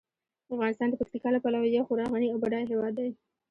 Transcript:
افغانستان د پکتیکا له پلوه یو خورا غني او بډایه هیواد دی.